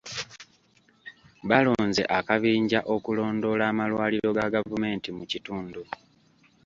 Balonze akabinja okulondoola amalwaliro ga gavumenti mu kitundu.